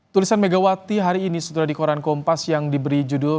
tulisan megawati hari ini sudah di koran kompas yang diberi judul